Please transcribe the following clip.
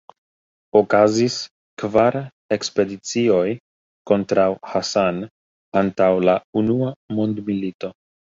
Okazis kvar ekspedicioj kontraŭ Hassan antaŭ la Unua Mondmilito.